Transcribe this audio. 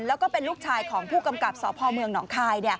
แล้วก็เป็นลูกชายของผู้กำกับสพเมืองหนองคาย